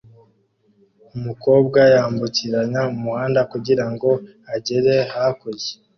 Umugore yambukiranya umuhanda kugirango agere hakurya